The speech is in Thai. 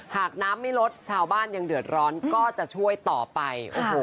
หากน้ำไม่ลดชาวบ้านยังเดือดร้อนก็จะช่วยต่อไปโอ้โห